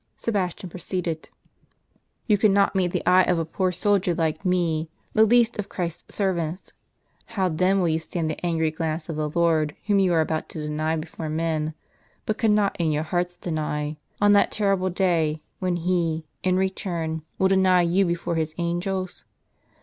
Sebastian proceeded : Military Tribunes, after a bas relief od Trajan's Column. strn " You cannot meet the eye of a poor soldier like me, the least of Christ's servants : how then will you stand the angry glance of the Lord whom you are about to deny before men (but cannot in your hearts deny), on that terrible day, when He, in return, will deny you before His angels?